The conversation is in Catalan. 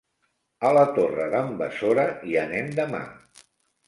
A la Torre d'en Besora hi anem demà.